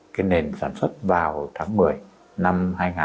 cái nền sản xuất vào tháng một mươi năm hai nghìn hai mươi một